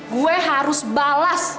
gue harus balas